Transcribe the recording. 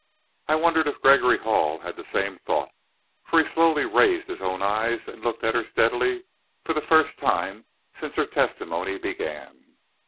I wondered if Gregory Hall had the same thought, for he slowly raised his own eyes and looked at her steadily for the first time since her testimony began.